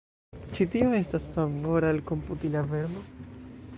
Ĉi tio estas favora al komputila vermo.